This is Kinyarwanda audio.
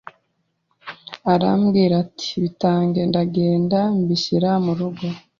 arambwira ati bitange ndagenda mbishyira mu rugo